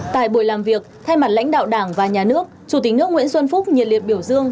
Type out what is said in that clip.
tại buổi làm việc thay mặt lãnh đạo đảng và nhà nước chủ tịch nước nguyễn xuân phúc nhiệt liệt biểu dương